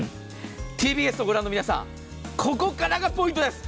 ＴＢＳをご覧の皆さん、ここからがポイントです。